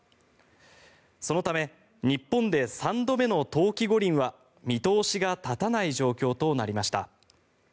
そのため日本で３度目の冬季五輪は見通しが立たない状況となりました。